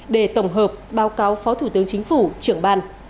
để tổng hợp báo cáo phó thủ tướng chính phủ trưởng ban